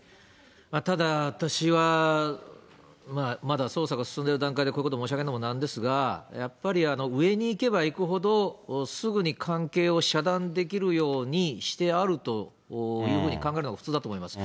ただ、私は、まだ捜査が進んでいる段階でこういうこと申し上げるのもなんですが、やっぱり上にいけばいくほど、すぐに関係を遮断できるようにしてあるというふうに考えるのが普通だと思います。